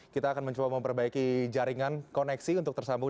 kita akan mencoba memperbaiki jaringan koneksi untuk tersambung